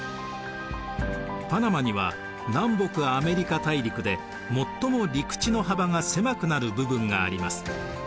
パナマには南北アメリカ大陸で最も陸地の幅が狭くなる部分があります。